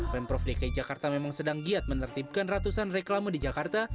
pemprov dki jakarta memang sedang giat menertibkan ratusan reklama di jakarta